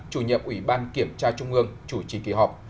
chủ nhiệm ủy ban kiểm tra trung ương chủ trì kỳ họp